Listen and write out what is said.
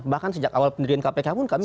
bahkan sejak awal pendirian kpk pun kami